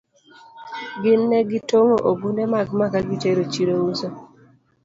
Gin ne gitong'o ogunde mag maka gitero chiro uso.